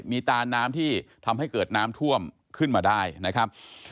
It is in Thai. มีตาน้ำที่ทำให้เกิดน้ำท่วมขึ้นมาได้นะครับ